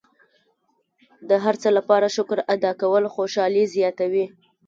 د هر څه لپاره شکر ادا کول خوشحالي زیاتوي.